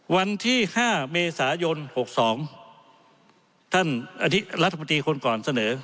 วันที่ห้าเมษายนหกสองท่านอาทิรัฐปฏีคนก่อนเสนอ